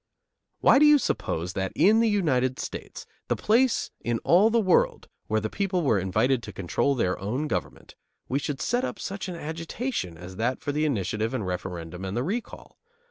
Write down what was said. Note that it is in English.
Why do you suppose that in the United States, the place in all the world where the people were invited to control their own government, we should set up such an agitation as that for the initiative and referendum and the recall.